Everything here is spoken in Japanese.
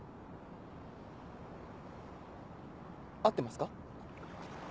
合ってますか？